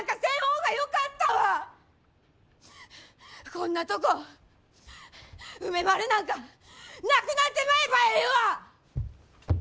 こんなとこ梅丸なんかなくなってまえばええわ！